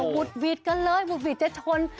บุ่ตวิตกันเลยจะช้อน